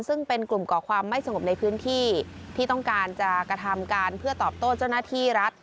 ซึ่งเป็นกลุ่มก่อความไม่สงบในพื้นที่ที่ต้องการจะกระทำการเพื่อตอบโต้เจ้าหน้าที่รัฐ